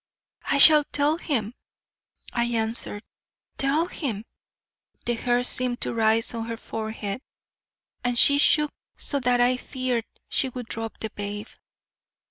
"I shall tell him," I answered. "Tell him!" The hair seemed to rise on her forehead and she shook so that I feared she would drop the babe.